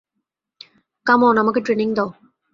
কাম on, আমাকে training দাও।